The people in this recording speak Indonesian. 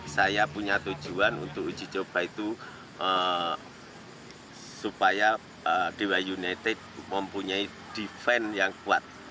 saya punya tujuan untuk uji coba itu supaya dewa united mempunyai defense yang kuat